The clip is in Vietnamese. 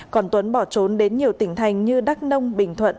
còn tuấn bỏ trốn đến nhiều tỉnh thành như đắk nông bình thuận